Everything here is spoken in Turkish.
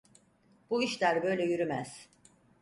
Bu işler böyle yürümez.